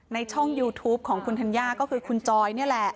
ช่องยูทูปของคุณธัญญาก็คือคุณจอยนี่แหละ